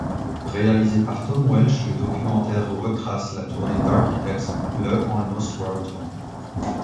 Réalisé par Tom Welsh, le documentaire retrace la tournée d'Architects, le Almost World Tour.